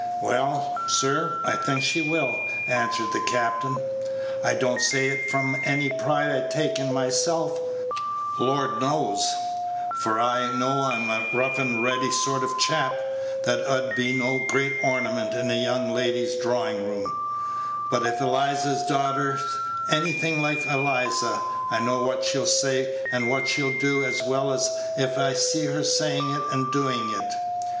"Well, sir, I think she will," answered the captain. "I don't say it from any pride I take in myself, Lord knows; for I know I'm a rough and ready sort of a chap, that 'ud be no great ornament in a young lady's drawing room; but if Eliza's daughter's anything like Eliza, I know what she'll say and what she'll do as well as if I see her saying it and doing it.